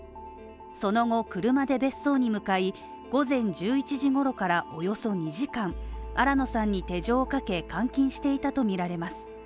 その後、車で別荘に向かい、午前１１時ごろからおよそ２時間、新野さんに手錠をかけ監禁していたとみられます。